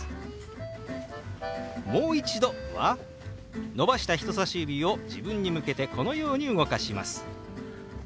「もう一度」は伸ばした人さし指を自分に向けてこのように動かします。